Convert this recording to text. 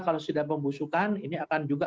kalau sudah pembusukan ini akan juga